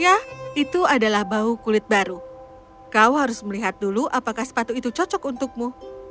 ya itu adalah bau kulit baru kau harus melihat dulu apakah sepatu itu cocok untukmu